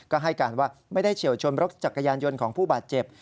ก็ให้การว่าไม่ได้เฉียวชนรถจักรยานยนต์ของผู้บาดเจ็บ